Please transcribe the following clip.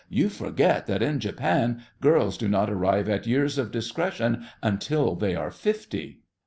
You forget that in Japan girls do not arrive at years of discretion until they are fifty.